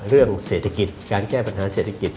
เรื่องเศรษฐกิจการแก้ปัญหาเศรษฐกิจ